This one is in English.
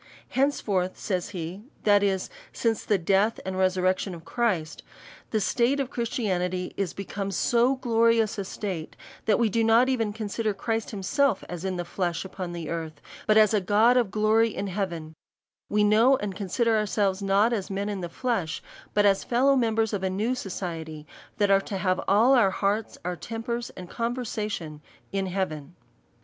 Henceforth, says be ; that is, since the death and re surrection of Christ, the state of Christianity is be come so glorious a state, that we do not even consider Christ himself as in the flesh upon earth, but as a God of glory in heaven ; Ave know and consider ourselves not as men in the flesh, but as fellow members of a new society, that are to have all our hearts, our tem pers, and conversation in heaven.